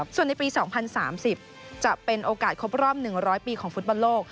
ส่วนในปี๒๐๓๐จะเป็นโอกาสครบรอบ๑๐๐ปีของฟุตบอลโลก